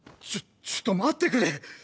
ちょっちょっと待ってくれ。